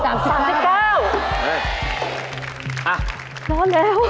อ้าวร้อนแล้ว